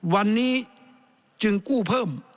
วันนี้จึงกู้เพิ่ม